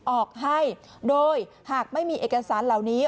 ออกให้โดยหากไม่มีเอกสารเหล่านี้